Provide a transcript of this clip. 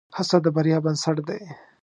هڅه د بریا بنسټ دی.